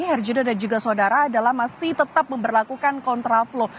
herjuna dan juga saudara adalah masih tetap memperlakukan kontraflow